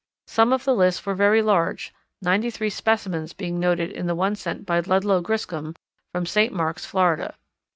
Some of the lists were very large, ninety three specimens being noted in the one sent by Ludlow Griscom, from St. Marks, Florida.